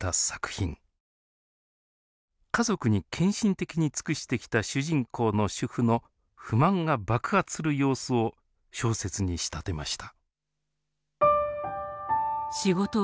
家族に献身的に尽くしてきた主人公の主婦の不満が爆発する様子を小説に仕立てました。